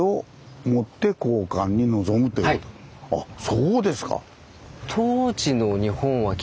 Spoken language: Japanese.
あっそうですか。